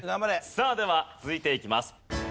さあでは続いていきます。